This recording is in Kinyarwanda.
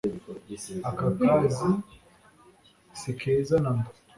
akakazi si keza namba